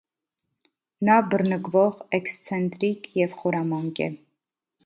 Նա բռնկվող, էքսցենտրիկ և խորամանկ է։